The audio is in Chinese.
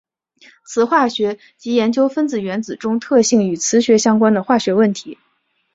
磁化学即研究分子原子中特性与磁学相关的化学问题。